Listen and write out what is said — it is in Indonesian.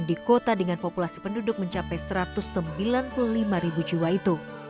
di kota dengan populasi penduduk mencapai satu ratus sembilan puluh lima ribu jiwa itu